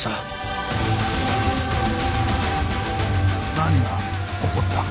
何が起こった？